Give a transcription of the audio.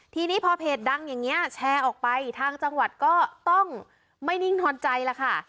ทีนี้พอเพจดังอย่างนี้แชร์ออกไปทางจังหวัดก็ต้องไม่นิ่งนอนใจแล้วค่ะ